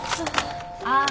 ああ。